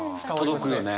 届くよね。